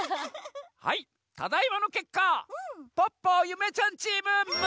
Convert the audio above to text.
はいただいまのけっかポッポゆめちゃんチーム６つせいかい！